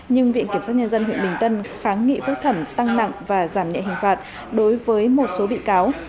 nhưng viện kiểm sát nhân dân huyện bình tân kháng nghị phúc thẩm tăng nặng và giảm nhẹ hình phạt đối với một số bị cáo